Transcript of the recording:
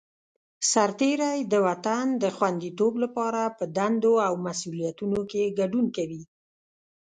سرتېری د وطن د خوندیتوب لپاره په دندو او مسوولیتونو کې ګډون کوي.